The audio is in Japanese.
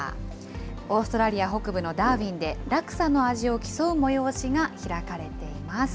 オーストラリア北部のダーウィンで、ラクサの味を競う催しが開かれています。